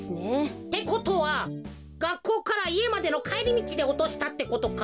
ってことはがっこうからいえまでのかえりみちでおとしたってことか？